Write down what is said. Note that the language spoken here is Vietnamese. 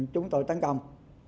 chúng tôi tấn công